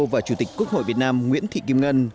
và chủ tịch quốc hội việt nam nguyễn thị kim ngân